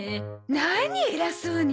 何偉そうに。